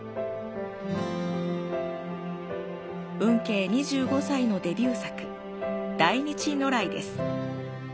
運慶２５歳のデビュー作、大日如来です。